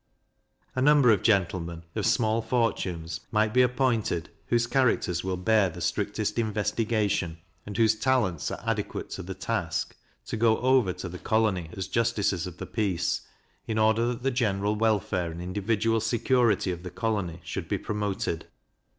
A number of gentlemen, of small fortunes, might be appointed, whose characters will bear the strictest investigation, and whose talents are adequate to the task, to go over to the colony as justices of the peace, in order that the general welfare and individual security of the colony should be promoted.